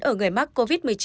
ở người mắc covid một mươi chín